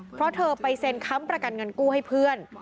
เพราะเธอไปเซ็นค้ำประกันเงินกู้ให้เพื่อน